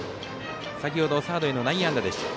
先ほどサードへの内野安打でした。